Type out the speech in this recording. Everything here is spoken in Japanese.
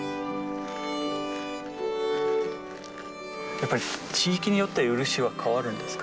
やっぱり地域によって漆は変わるんですか？